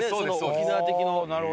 沖縄的の。